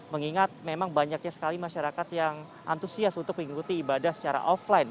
mengingat memang banyaknya sekali masyarakat yang antusias untuk mengikuti ibadah secara offline